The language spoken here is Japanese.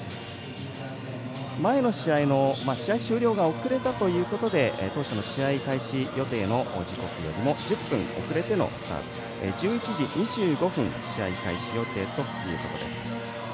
前の試合の試合終了が遅れたということで当初の試合開始予定の時刻よりも１０分遅れてのスタートになって、１１時２５分試合開始予定ということです。